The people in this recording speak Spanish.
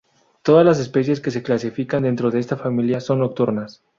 Todas las especies que se clasifican dentro de esta familia son nocturnas.